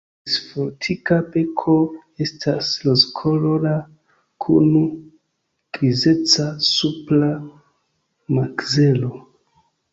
Ties fortika beko estas rozkolora kun grizeca supra makzelo.